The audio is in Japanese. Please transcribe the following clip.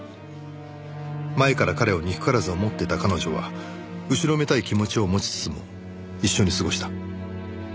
前から彼を憎からず思っていた彼女は後ろめたい気持ちを持ちつつも一緒に過ごした。